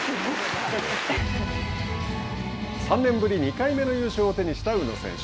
３年ぶり２回目の優勝を手にした宇野選手。